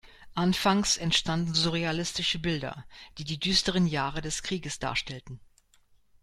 Anfangs entstanden surrealistische Bilder, die die düsteren Jahre des Krieges darstellten.